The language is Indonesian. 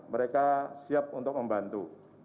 mereka siap untuk membantu